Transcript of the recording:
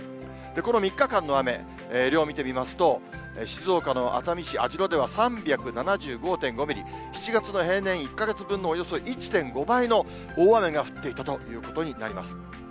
この３日間の雨、量見てみますと、静岡の熱海市網代では３７５．５ミリ、７月の平年１か月分のおよそ１．５倍の大雨が降っていたということになります。